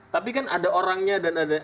tapi kan ada orangnya dan ada